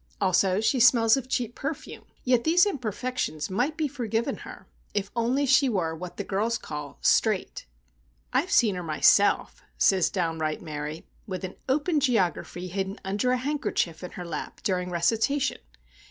Also, she smells of cheap perfume. Yet these imperfections might be forgiven her, if only she were what the girls call "straight." "I've seen her myself," says downright Mary, "with an open Geography hid under a handkerchief in her lap during recitation.